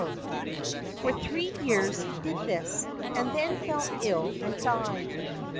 For three years he did this, and then fell ill and died.